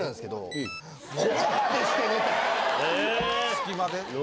隙間で？